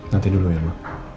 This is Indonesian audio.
nanti dulu ya mak